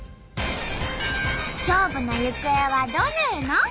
勝負の行方はどうなるの！？